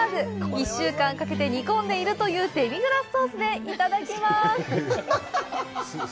１週間かけて煮込んでいるというデミグラスソースでいただきます。